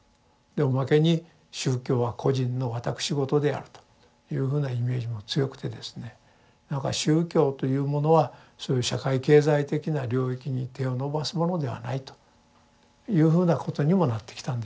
おまけに宗教は個人の私事であるというふうなイメージも強くてですねなんか宗教というものはそういう社会経済的な領域に手を伸ばすものではないというふうなことにもなってきたんでしょう。